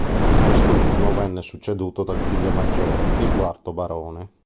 Quest'ultimo venne succeduto dal figlio maggiore, il quarto barone.